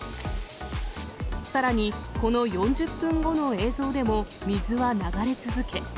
さらに、この４０分後の映像でも、水は流れ続け。